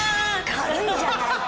軽いじゃないか！